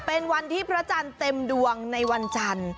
เป็นวันที่พระจันทร์เต็มดวงในวันจันทร์